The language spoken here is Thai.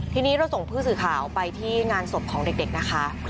ทีนี้เราส่งผู้สื่อข่าวไปที่งานศพของเด็กนะคะ